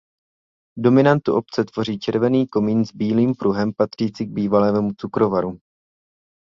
Dominantu obce tvoří červený komín s bílým pruhem patřící k bývalému cukrovaru.